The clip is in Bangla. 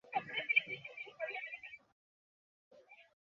গতকাল শনিবার সকালে বাড়ির অদূরে একটি বাগানে ইব্রাহিমের লাশ পাওয়া যায়।